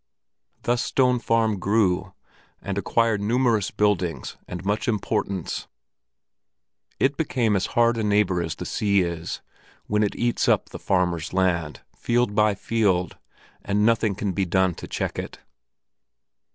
Thus Stone Farm grew, and acquired numerous buildings and much importance; it became as hard a neighbor as the sea is, when it eats up the farmer's land, field by field, and nothing can be done to check it.